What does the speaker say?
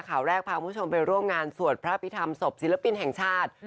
ข่าวแรกพาคุณผู้ชมไปร่วมงานสวดพระพิธรรมศพศิลปินแห่งชาติ